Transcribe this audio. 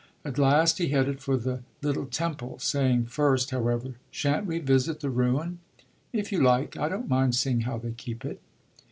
At last he headed for the little temple, saying first, however, "Shan't we visit the ruin?" "If you like. I don't mind seeing how they keep it."